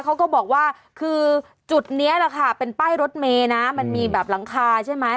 เขาก็บอกว่าคือจุดนี้แหละค่ะเป็นป้ายรถเมย์นะมันมีแบบหลังคาใช่ไหม